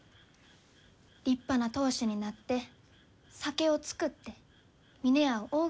立派な当主になって酒を造って峰屋を大きゅうして。